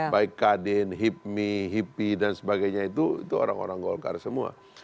baik kadin hipmi hipi dan sebagainya itu orang orang golkar semua